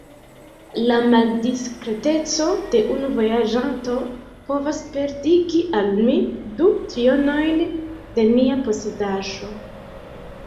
La maldiskreteco de unu vojaĝanto povas perdigi al mi du trionojn de mia posedaĵo.